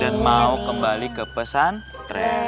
dan mau kembali ke pesantren